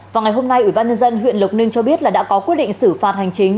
vào ngày hôm nay ủy ban nhân dân huyện lục ninh cho biết đã có quy định xử phạt hành chính